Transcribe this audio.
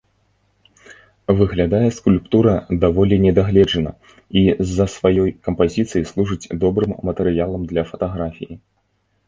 Выглядае скульптура даволі недагледжана, і з-за сваёй кампазіцыі служыць добрым матэрыялам для фатаграфіі.